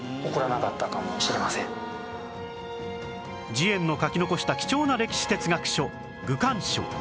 慈円の書き残した貴重な歴史哲学書『愚管抄』